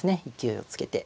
勢いをつけて。